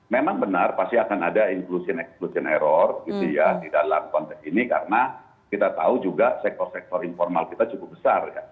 memang benar pasti akan ada inclusion exclusion error gitu ya di dalam konteks ini karena kita tahu juga sektor sektor informal kita cukup besar ya